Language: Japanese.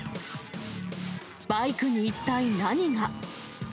バイクに一体何が。